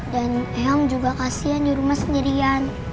dan eang juga kasihan di rumah sendirian